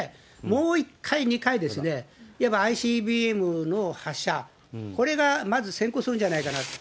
もう１回、２回ですね、いわばＩＣＢＭの発射、これがまず先行するんじゃないかなと。